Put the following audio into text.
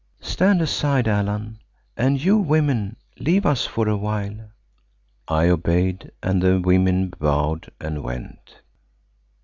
Stand aside, Allan, and you women, leave us for a while." I obeyed, and the women bowed and went.